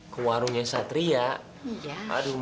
tuh aku mau